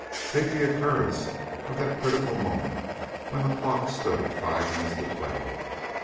Take the occurrences of that critical moment when the clock stood at five minutes to twelve.